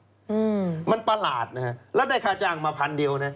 อืมมันประหลาดนะฮะแล้วได้ค่าจ้างมาพันเดียวนะ